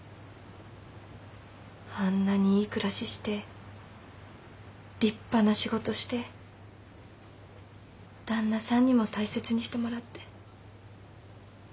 あんなにいい暮らしして立派な仕事して旦那さんにも大切にしてもらって。